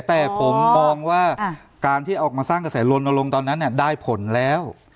แต่ผมมองว่าการที่ออกมาสร้างกระแสลนลงตอนนั้นได้ผลแล้ว